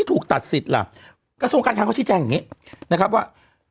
ถูกตัดสิทธิ์ล่ะกระทรวงการคังเขาชี้แจงอย่างนี้นะครับว่า